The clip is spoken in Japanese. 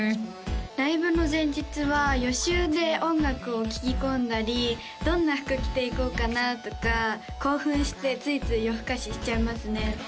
ライブの前日は予習で音楽を聴きこんだり「どんな服着ていこうかな」とか興奮してついつい夜更かししちゃいますね